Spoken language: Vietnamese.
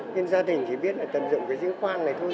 nên gia đình chỉ biết là tận dụng cái giế khoan này thôi